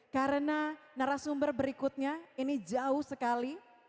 karena narasumber berikutnya ini jauh sekali